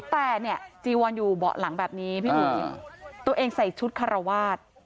แต่เนี่ยจีวอนอยู่เบาะหลังแบบนี้พี่อุ๋ยตัวเองใส่ชุดคารวาส